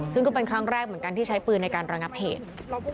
ซึ่งก็เป็นครั้งแรกเหมือนกันที่ใช้ปืนในการระงับเหตุ